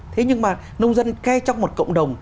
thế nhưng mà nông dân ngay trong một cộng đồng